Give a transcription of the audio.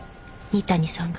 仁谷さんが。